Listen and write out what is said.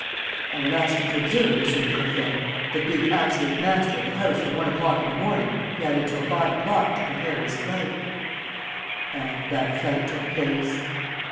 "I will ask you to observe, monsieur le préfet, that, being absolute master of the house from one o'clock in the morning, he had until five o'clock to prepare his flight." "And that flight took place...?"